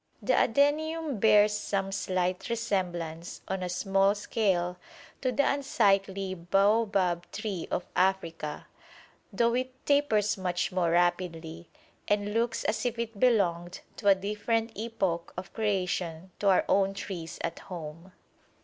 The adenium bears some slight resemblance, on a small scale, to the unsightly baobab tree of Africa, though it tapers much more rapidly, and looks as if it belonged to a different epoch of creation to our own trees at home.